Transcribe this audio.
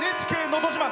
「ＮＨＫのど自慢」。